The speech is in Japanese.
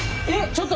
ちょっと！